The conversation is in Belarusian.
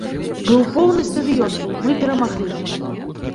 Быў поўны стадыён, мы перамаглі.